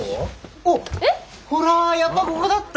ほらやっぱこごだった！